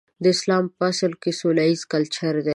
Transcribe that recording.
اسلام په اصل کې سوله ييز کلچر دی.